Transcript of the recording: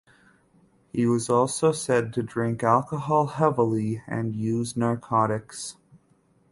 He was also said to drink alcohol heavily and use narcotics.